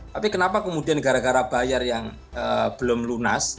tapi kenapa kemudian gara gara bayar yang belum lunas